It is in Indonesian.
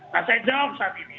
nah saya jawab saat ini